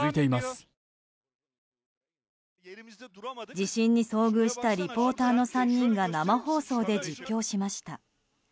地震に遭遇したリポーターの３人が生放送で実況しました。